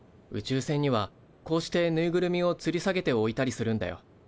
宇宙船にはこうしてぬいぐるみをつり下げておいたりするんだよ。